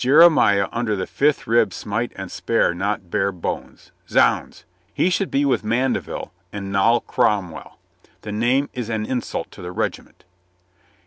"Jeremiah Under the Fifth Rib Smite and Spare Not Barebones ! Zounds ! he should be with Mande vil and Noll Cromwell. The name is an insult to the regiment."